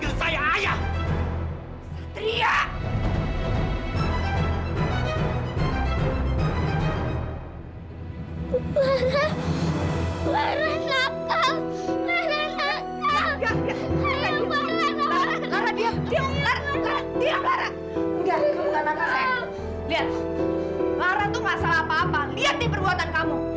lihat nih perbuatan kamu